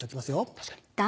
確かに。